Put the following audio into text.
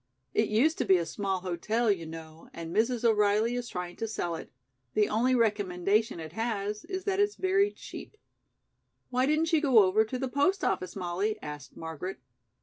It used to be a small hotel, you know, and Mrs. O'Reilly is trying to sell it. The only recommendation it has, is that it's very cheap." "Why didn't you go over to the post office, Molly?" asked Margaret.